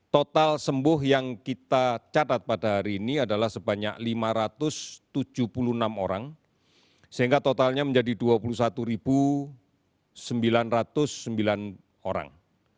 total sembuh yang kita catat pada hari ini adalah sebanyak lima ratus tujuh puluh enam orang sehingga totalnya menjadi dua puluh satu sembilan ratus sembilan orang